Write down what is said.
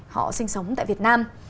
họ sinh sống tại việt nam